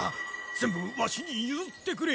全部ワシにゆずってくれ。